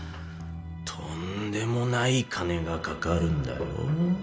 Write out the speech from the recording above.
とんでもない金がかかるんだよ